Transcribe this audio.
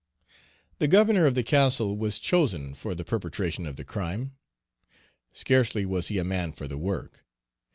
The governor of the castle was chosen for the perpetration of the crime. Scarcely was he a man for the work.